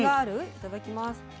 いただきます。